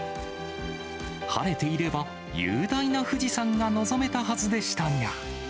晴れていれば、雄大な富士山が望めたはずでしたが。